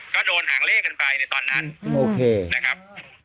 ก็โดนหางเลขกันไปในตอนนั้นโอเคนะครับ